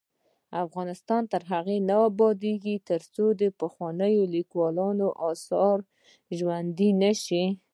افغانستان تر هغو نه ابادیږي، ترڅو د پخوانیو لیکوالانو اثار ژوندي نشي.